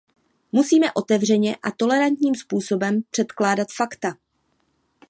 Musíme otevřeně a tolerantním způsobem předkládat fakta.